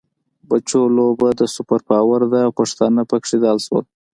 بچو! لوبه د سوپر پاور ده او پښتانه پکې دل شول.